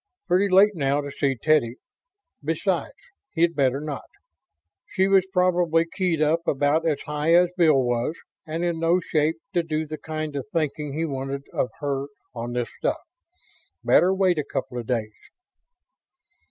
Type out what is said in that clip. Pretty late now to see Teddy ... besides, he'd better not. She was probably keyed up about as high as Bill was, and in no shape to do the kind of thinking he wanted of her on this stuff. Better wait a couple of days.